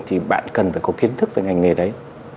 thì bạn cần phải có kiến thức về ngành nghề đấy